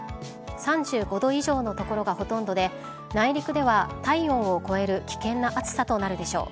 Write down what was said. ３５度以上の所がほとんどで内陸では体温を超える危険な暑さとなるでしょう。